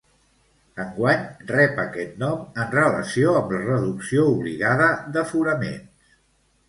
Enguany rep aquest nom en relació amb la reducció obligada d'aforaments.